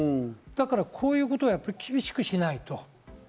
こういうことは厳しくしないと。